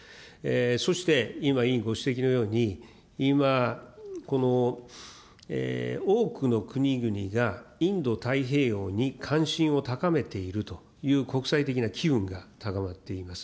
そして今、委員ご指摘のように、今、多くの国々がインド太平洋に関心を高めているという国際的な機運が高まっています。